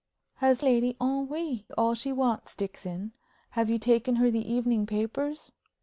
"Has Lady Henry all she wants, Dixon? Have you taken her the evening papers?"